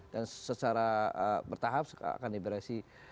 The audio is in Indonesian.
dan secara bertahap akan diberi si